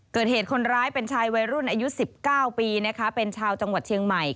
เกิดเหตุคนร้ายเป็นชายวัยรุ่นอายุ๑๙ปีนะคะเป็นชาวจังหวัดเชียงใหม่